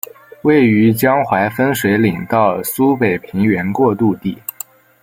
位于江淮分水岭到苏北平原过度地。